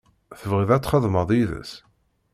Tebɣiḍ ad txedmeḍ yid-s.